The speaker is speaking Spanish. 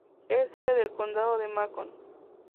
Es sede del condado de Macon.